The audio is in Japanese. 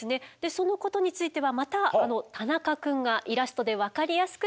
そのことについてはまた田中くんがイラストで分かりやすく説明してくれます。